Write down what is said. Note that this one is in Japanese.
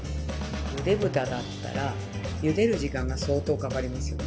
ゆで豚だったらゆでる時間が相当かかりますよね。